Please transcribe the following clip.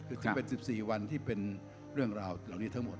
คือถึงเป็น๑๔วันที่เป็นเรื่องราวเหล่านี้ทั้งหมด